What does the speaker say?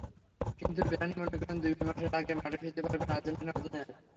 কিন্তু ভিলানি মনে করেন, দুই মাসের আগেই মাঠে ফিরতে পারবেন আর্জেন্টিনার অধিনায়ক।